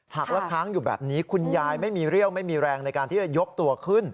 หากและค้างอยู่แบบนี้คุณยายไม่มีเรี่ยวไม่มีแรงในการที่จะยกตัวขึ้น